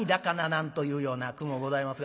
なんというような句もございますが。